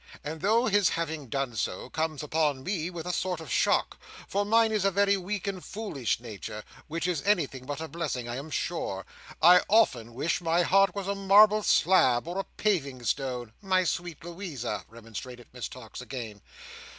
And though his having done so, comes upon me with a sort of shock—for mine is a very weak and foolish nature; which is anything but a blessing I am sure; I often wish my heart was a marble slab, or a paving stone—" "My sweet Louisa," remonstrated Miss Tox again.